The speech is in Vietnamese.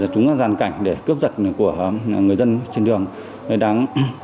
chúng ra dàn cảnh để cướp giật của người dân trên đường